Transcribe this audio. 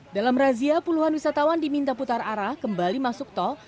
dalam razia puluhan wisatawan diminta putar arah kembali masuk tol